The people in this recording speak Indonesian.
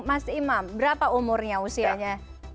mas imam berapa umurnya usianya